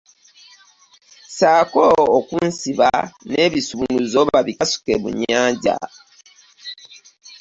Ssaako okunsiba n'ebisumuluzo babikasuke mu nnyanja.